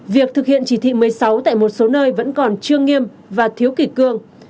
việc thực hiện chỉ thị một mươi sáu tại một số nơi vẫn còn chưa nghiêm và thiếu kỷ cương